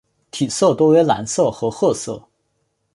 体色多为蓝色和褐色。